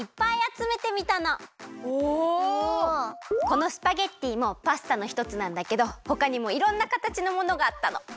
このスパゲッティもパスタのひとつなんだけどほかにもいろんなかたちのものがあったの！